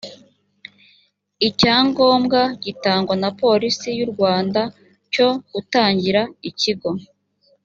icyangombwa gitangwa na polisi y u rwanda cyo gutangira ikigo